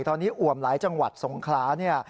ตอนนี้อ่วมหลายจังหวัดสงขลาเนี่ย